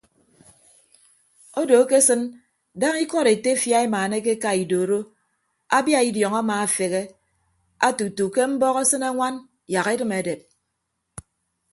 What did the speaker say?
Odo akesịn daña ikọd etefia emaanake eka idoro abia idiọñ amaafeghe ate utu ke mbọk asịne añwan yak edịm edep.